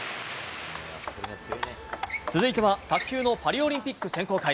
続いては、卓球のパリオリンピック選考会。